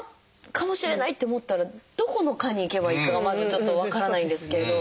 「かもしれない」って思ったらどこの科に行けばいいかがまずちょっと分からないんですけれど。